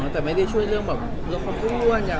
แต่ไม่ได้ช่วยเรื่องแบบลดความอ้วน